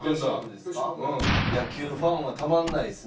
野球ファンはたまらないですね。